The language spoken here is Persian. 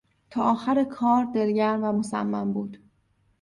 تا آخر کار دلگرم و مصمم بود.